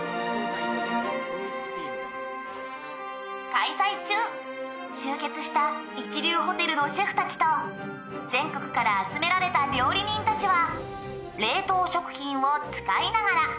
「開催中集結した一流ホテルのシェフたちと全国から集められた料理人たちは」